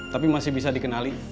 tapi masih bisa dikenali